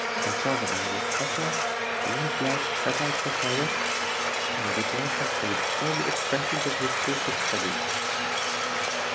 Enchanted at this offer, the young black set out for Paris, and the planter paid all the expenses of his course of study.